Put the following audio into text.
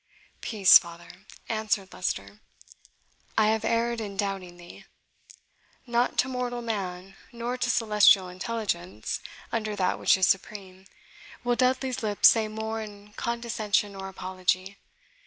"Peace, father," answered Leicester, "I have erred in doubting thee. Not to mortal man, nor to celestial intelligence under that which is supreme will Dudley's lips say more in condescension or apology.